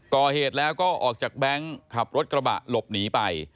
ก่อเหตุแล้วก็ออกจากแบงค์ขับรถกระบะหลบหนีไป